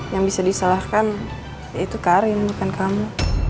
yang bisa disalahkan yaitu karin bukan kamu